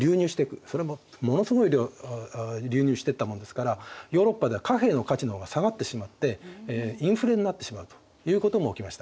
それもものすごい量流入していったもんですからヨーロッパでは貨幣の価値の方が下がってしまってインフレになってしまうということも起きました。